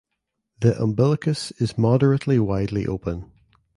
The umbilicus is moderately widely open.